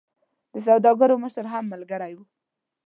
د سوداګرو مشر هم ملګری وو.